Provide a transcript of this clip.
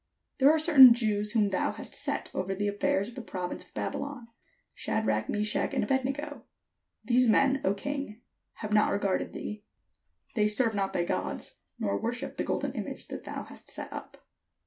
There are certain Jews whom thou hast set over the afi"airs of the province of Baby lon, Shadrach, Meshach, and Abed nego; these men, O king, have not regarded thee: they serve not thy gods, nor worship the golden image which thou hast set up."